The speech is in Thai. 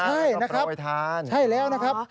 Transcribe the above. ใช่นะครับใช่แล้วนะครับ